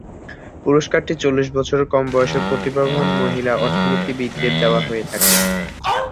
পুরস্কারটি চল্লিশ বছরের কম বয়সের প্রতিভাবান মহিলা অর্থনীতিবিদদের দেওয়া হয়ে থাকে।